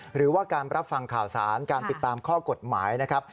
หรือว่าการรับฟังข่าวสารการติดตามข้อกฎหมายนะครับ